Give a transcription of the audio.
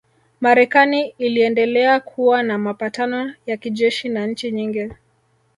Marekani iliendelea kuwa na mapatano ya kijeshi na nchi nyingi